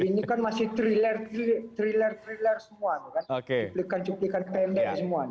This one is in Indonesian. jadi ini kan masih thriller thriller semua cuplikan cuplikan pendek semua